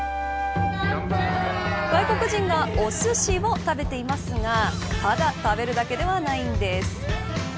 外国人がおすしを食べていますがただ食べるだけではないんです。